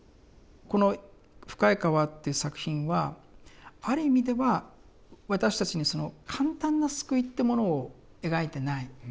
この「深い河」っていう作品はある意味では私たちに簡単な救いっていうものを描いてない。